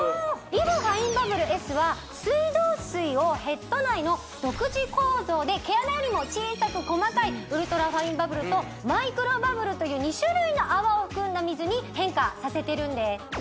ファインバブルＳは水道水をヘッド内の独自構造で毛穴よりも小さく細かいウルトラファインバブルとマイクロバブルという２種類の泡を含んだ水に変化させてるんです